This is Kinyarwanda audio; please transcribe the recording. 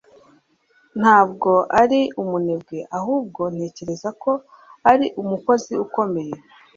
ntabwo ari umunebwe ahubwo, ntekereza ko ari umukozi ukomeye